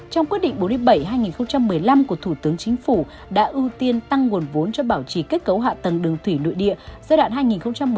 trong quyết định bốn mươi bảy hai nghìn một mươi năm của thủ tướng chính phủ đã ưu tiên tăng nguồn vốn cho bảo trì kết cấu hạ tầng đường thủy nội địa giai đoạn hai nghìn một mươi sáu hai nghìn hai mươi